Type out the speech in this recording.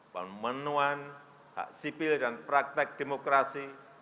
pemenuhan hak sipil dan praktek demokrasi